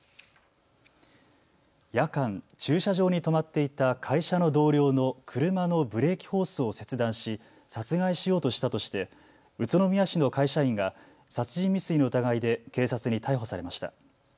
夜間、駐車場に止まっていた会社の同僚の車のブレーキホースを切断し殺害しようとしたとして宇都宮市の会社員が殺人未遂の疑いで警察に逮捕されました。